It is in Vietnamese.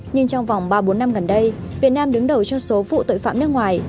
nhưng trong vòng ba bốn năm gần đây việt nam đứng đầu trong số vụ tội phạm nước ngoài